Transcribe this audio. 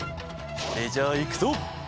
それじゃあいくぞ！